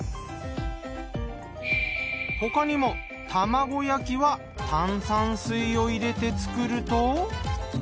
他にも卵焼きは炭酸水を入れて作ると。